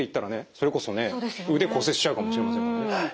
それこそね腕骨折しちゃうかもしれませんもんね。